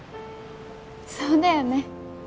そうだよね！